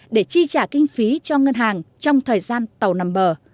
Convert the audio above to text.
để chi trả kinh phí cho ngân hàng trong thời gian tàu nằm bờ